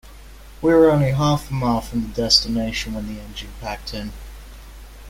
We were only half a mile from the destination when the engine packed in.